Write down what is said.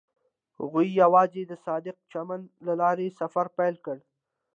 هغوی یوځای د صادق چمن له لارې سفر پیل کړ.